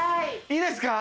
いいですか？